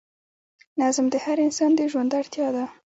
نظم د هر انسان د ژوند اړتیا ده.